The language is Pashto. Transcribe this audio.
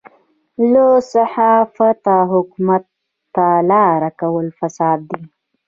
له صحافته حکومت ته لاره کول فساد دی.